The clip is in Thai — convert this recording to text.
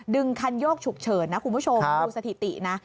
ดึงคันโยกฉุกเฉินนะคุณผู้ชมดูสถิตินะ